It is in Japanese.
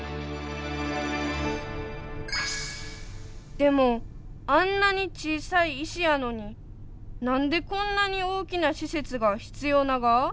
でもあんなに小さい石やのになんでこんなに大きな施設が必要なが？